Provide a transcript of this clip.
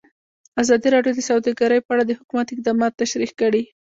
ازادي راډیو د سوداګري په اړه د حکومت اقدامات تشریح کړي.